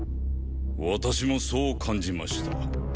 私もそう感じました。